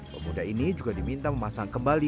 pemuda ini juga diminta memasang kembali